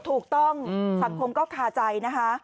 ถูกต้องสังคมก็คาใจนะคะ